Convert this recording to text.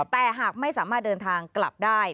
แต่หากไม่สามารถเดินทางกลับได้